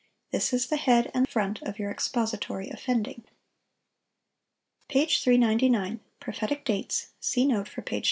This is the head and front of your expository offending." Page 399. PROPHETIC DATES.—See note for page 329.